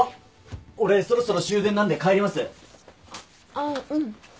あっうん。